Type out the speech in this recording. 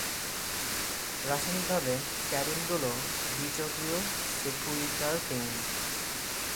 রাসায়নিকভাবে, ক্যাডিনগুলি দ্বিচক্রীয় সেকুইটারপেইন।